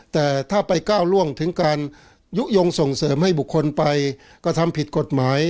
แต่ถ้าไปก้าวล่วงถึงการยุโยงส่งเสริมให้บุคคลไปกระทำผิดกฎหมาย